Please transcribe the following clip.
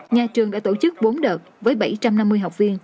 nhà trường đã tổ chức bốn đợt với bảy trăm năm mươi học viên